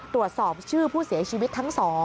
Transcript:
ตรวจสอบชื่อผู้เสียชีวิตทั้ง๒